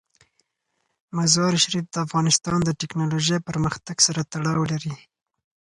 مزارشریف د افغانستان د تکنالوژۍ پرمختګ سره تړاو لري.